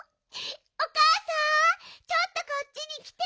おかあさんちょっとこっちにきて！